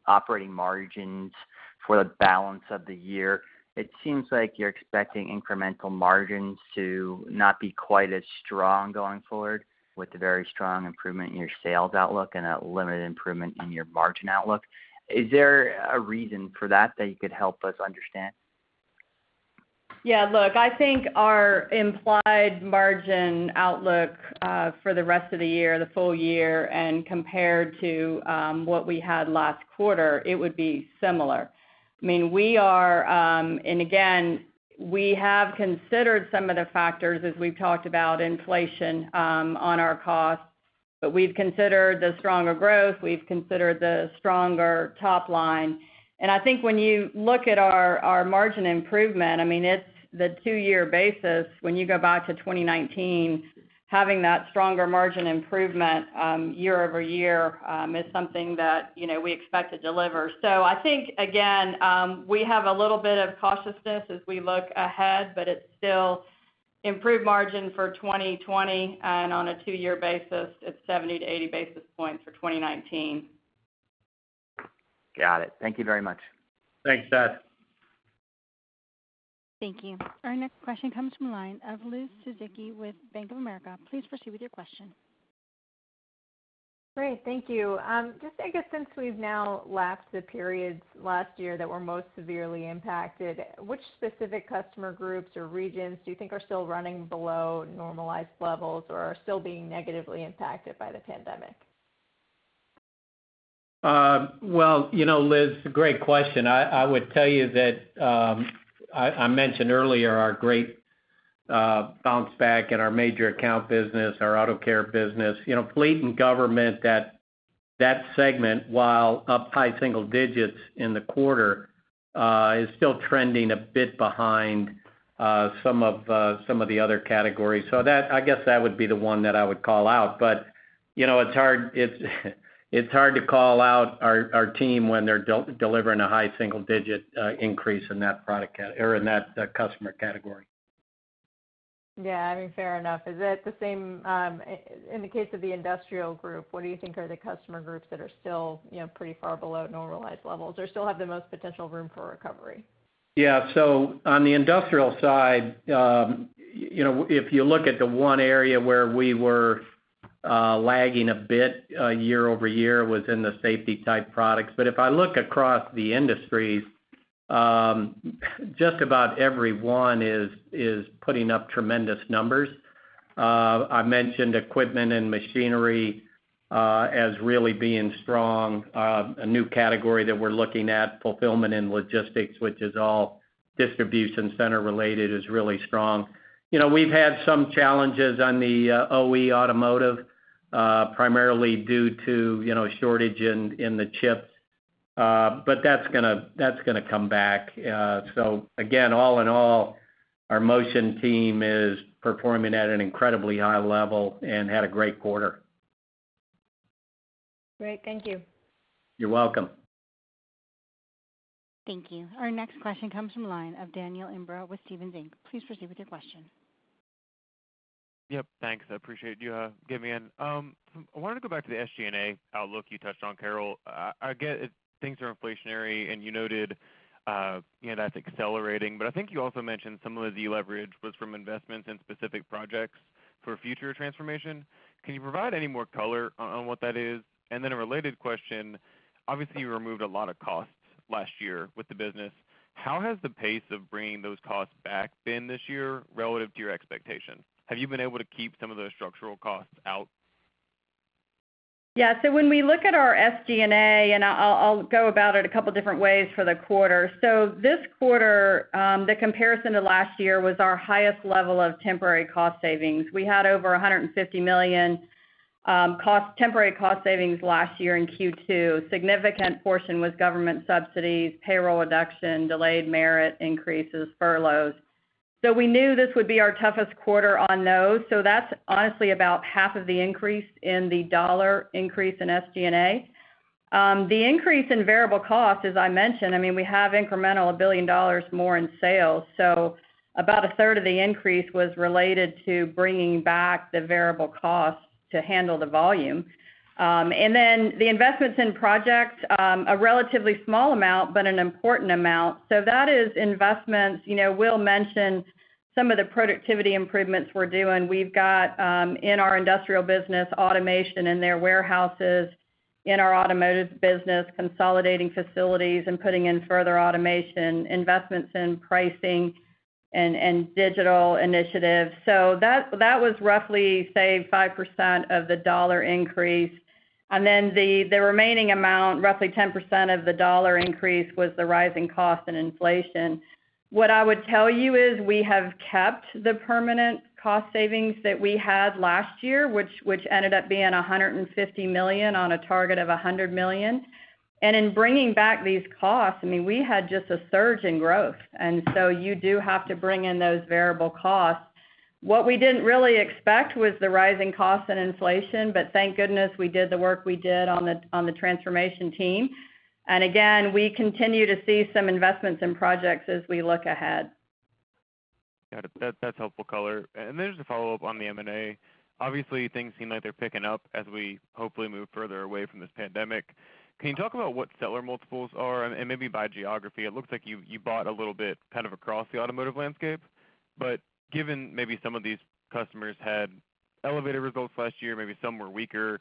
operating margins for the balance of the year, it seems like you're expecting incremental margins to not be quite as strong going forward with the very strong improvement in your sales outlook and a limited improvement in your margin outlook. Is there a reason for that you could help us understand? Yeah, look, I think our implied margin outlook for the rest of the year, the full year, and compared to what we had last quarter, it would be similar. Again, we have considered some of the factors as we've talked about inflation on our costs, but we've considered the stronger growth, we've considered the stronger top line. I think when you look at our margin improvement, it's the two-year basis. When you go back to 2019, having that stronger margin improvement year-over-year is something that we expect to deliver. I think, again, we have a little bit of cautiousness as we look ahead, but it's still improved margin for 2020, and on a two-year basis, it's 70-80 basis points for 2019. Got it. Thank you very much. Thanks, Seth. Thank you. Our next question comes from the line of Liz Suzuki with Bank of America. Please proceed with your question. Great. Thank you. Just, I guess, since we've now lapsed the periods last year that were most severely impacted, which specific customer groups or regions do you think are still running below normalized levels or are still being negatively impacted by the pandemic? Well, Liz, great question. I would tell you that I mentioned earlier our great bounce back in our major account business, our auto care business. Fleet and government, that segment, while up high single digits in the quarter, is still trending a bit behind some of the other categories. I guess that would be the one that I would call out. It's hard to call out our team when they're delivering a high single-digit increase in that customer category. Fair enough. Is it the same in the case of the Industrial Group? What do you think are the customer groups that are still pretty far below normalized levels or still have the most potential room for recovery? Yeah. On the industrial side, if you look at the one area where we were lagging a bit year-over-year was in the safety-type products. If I look across the industries, just about every one is putting up tremendous numbers. I mentioned equipment and machinery as really being strong. A new category that we're looking at, fulfillment and logistics, which is all distribution center related, is really strong. We've had some challenges on the OE automotive, primarily due to shortage in the chips. That's going to come back. Again, all in all, our Motion team is performing at an incredibly high level and had a great quarter. Great. Thank you. You're welcome. Thank you. Our next question comes from the line of Daniel Imbro with Stephens Inc. Please proceed with your question. Yep, thanks. I appreciate you getting me in. I wanted to go back to the SG&A outlook you touched on, Carol. I get it, things are inflationary, and you noted that's accelerating, but I think you also mentioned some of the leverage was from investments in specific projects for future transformation. Can you provide any more color on what that is? A related question, obviously, you removed a lot of costs last year with the business. How has the pace of bringing those costs back been this year relative to your expectations? Have you been able to keep some of those structural costs out? Yeah. When we look at our SG&A, and I'll go about it a couple different ways for the quarter. This quarter, the comparison to last year was our highest level of temporary cost savings. We had over $150 million temporary cost savings last year in Q2. Significant portion was government subsidies, payroll reduction, delayed merit increases, furloughs. We knew this would be our toughest quarter on those. That's honestly about half of the increase in the dollar increase in SG&A. The increase in variable costs, as I mentioned, we have incremental $1 billion more in sales. About a third of the increase was related to bringing back the variable costs to handle the volume. The investments in projects, a relatively small amount, but an important amount. That is investments. Will mentioned some of the productivity improvements we're doing. We've got, in our industrial business, automation in their warehouses. In our automotive business, consolidating facilities and putting in further automation, investments in pricing and digital initiatives. That was roughly, say, 5% of the dollar increase. The remaining amount, roughly 10% of the dollar increase, was the rising cost and inflation. What I would tell you is we have kept the permanent cost savings that we had last year, which ended up being $150 million on a target of $100 million. In bringing back these costs, we had just a surge in growth. You do have to bring in those variable costs. What we didn't really expect was the rising costs and inflation, but thank goodness we did the work we did on the transformation team. Again, we continue to see some investments in projects as we look ahead. Got it. That's helpful color. Then just a follow-up on the M&A. Obviously, things seem like they're picking up as we hopefully move further away from this pandemic. Can you talk about what seller multiples are, and maybe by geography? It looks like you bought a little bit kind of across the automotive landscape. Given maybe some of these customers had elevated results last year, maybe some were weaker,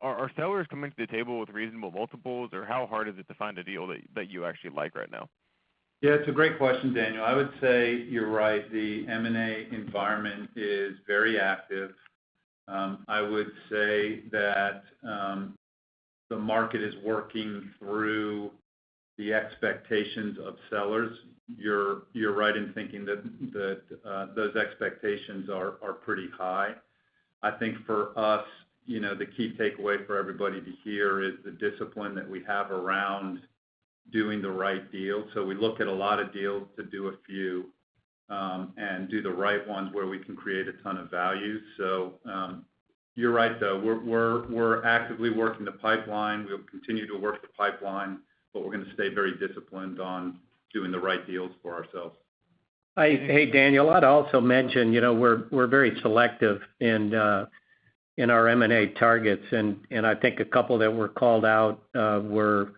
are sellers coming to the table with reasonable multiples, or how hard is it to find a deal that you actually like right now? Yeah, it's a great question, Daniel. I would say you're right, the M&A environment is very active. I would say that the market is working through the expectations of sellers. You're right in thinking that those expectations are pretty high. I think for us, the key takeaway for everybody to hear is the discipline that we have around doing the right deal. We look at a lot of deals to do a few, and do the right ones where we can create a ton of value. You're right, though. We're actively working the pipeline. We'll continue to work the pipeline, but we're going to stay very disciplined on doing the right deals for ourselves. Hey, Daniel, I'd also mention, we're very selective in our M&A targets. I think a couple that were called out were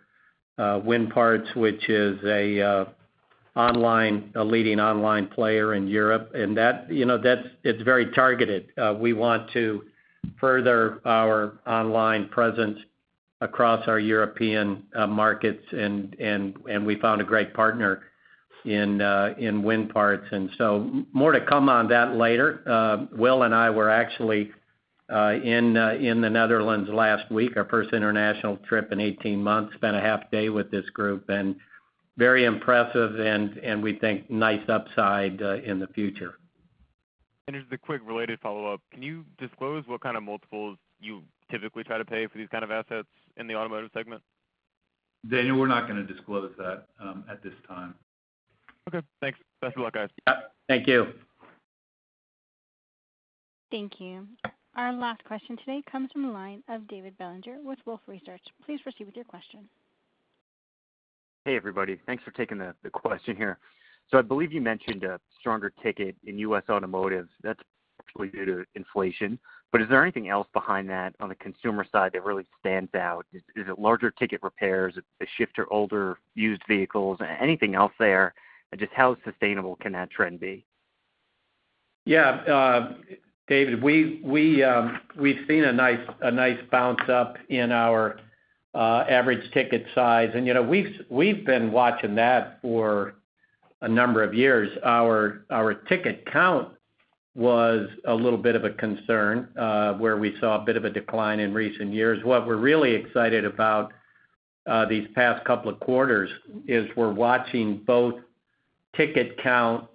Winparts, which is a leading online player in Europe. That, it's very targeted. We want to further our online presence across our European markets. We found a great partner in Winparts, so more to come on that later. Will and I were actually in the Netherlands last week, our first international trip in 18 months. Spent a half day with this group. Very impressive. We think nice upside in the future. Just a quick related follow-up. Can you disclose what kind of multiples you typically try to pay for these kind of assets in the automotive segment? Daniel, we're not going to disclose that at this time. Okay, thanks. Best of luck, guys. Yep. Thank you. Thank you. Our last question today comes from the line of David Bellinger with Wolfe Research. Please proceed with your question. Hey, everybody. Thanks for taking the question here. I believe you mentioned a stronger ticket in U.S. automotive. That's partially due to inflation, is there anything else behind that on the consumer side that really stands out? Is it larger ticket repairs? Is it the shift to older used vehicles? Anything else there? Just how sustainable can that trend be? Yeah. David, we've seen a nice bounce up in our average ticket size. We've been watching that for a number of years. Our ticket count was a little bit of a concern, where we saw a bit of a decline in recent years. What we're really excited about these past couple of quarters is we're watching both ticket count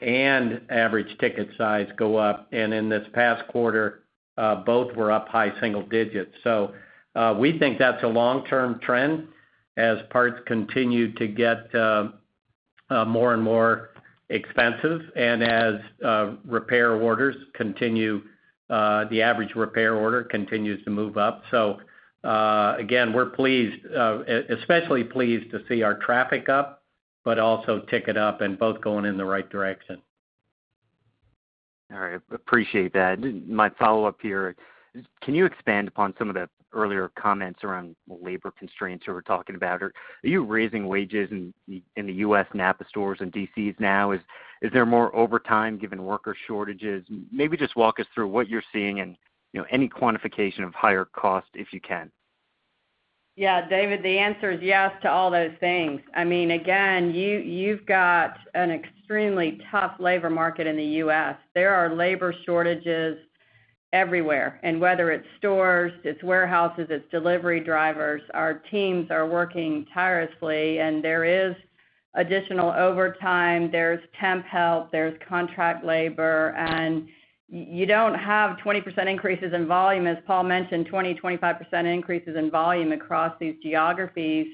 and average ticket size go up. In this past quarter, both were up high single digits. We think that's a long-term trend as parts continue to get more and more expensive and as the average repair order continues to move up. Again, we're especially pleased to see our traffic up, but also ticket up and both going in the right direction. All right. Appreciate that. My follow-up here, can you expand upon some of the earlier comments around labor constraints you were talking about? Are you raising wages in the U.S. NAPA stores and DCs now? Is there more overtime given worker shortages? Just walk us through what you're seeing and any quantification of higher cost, if you can. Yeah, David, the answer is yes to all those things. You've got an extremely tough labor market in the U.S. There are labor shortages everywhere, whether it's stores, it's warehouses, it's delivery drivers, our teams are working tirelessly, there is additional overtime. There's temp help. There's contract labor, you don't have 20% increases in volume, as Paul mentioned, 20%-25% increases in volume across these geographies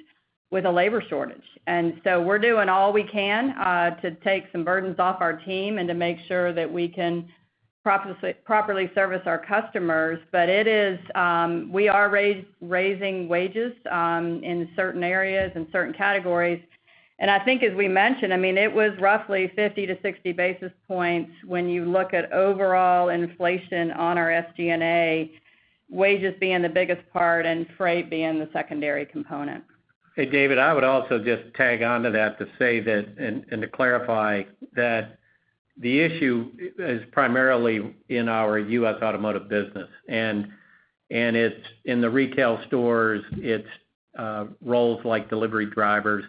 with a labor shortage. We're doing all we can to take some burdens off our team and to make sure that we can properly service our customers. We are raising wages in certain areas and certain categories. I think as we mentioned, it was roughly 50-60 basis points when you look at overall inflation on our SG&A, wages being the biggest part and freight being the secondary component. Hey, David, I would also just tag onto that to say that, and to clarify that the issue is primarily in our U.S. automotive business. It's in the retail stores, it's roles like delivery drivers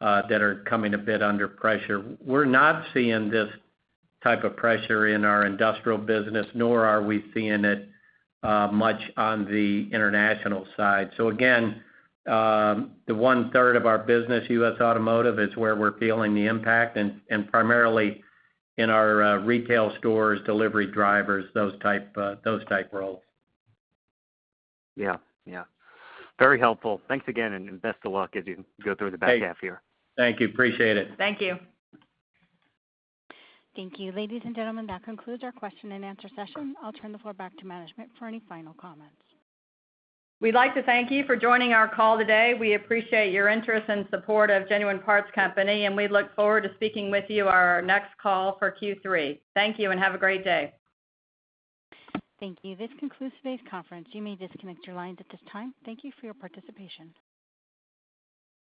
that are coming a bit under pressure. We're not seeing this type of pressure in our industrial business, nor are we seeing it much on the international side. Again, the one-third of our business, U.S. Automotive, is where we're feeling the impact and primarily in our retail stores, delivery drivers, those type roles. Yeah. Very helpful. Thanks again, and best of luck as you go through the back half here. Thank you. Appreciate it. Thank you. Thank you. Ladies and gentlemen, that concludes our question and answer session. I'll turn the floor back to management for any final comments. We'd like to thank you for joining our call today. We appreciate your interest and support of Genuine Parts Company. We look forward to speaking with you on our next call for Q3. Thank you. Have a great day. Thank you. This concludes today's conference. You may disconnect your lines at this time. Thank you for your participation.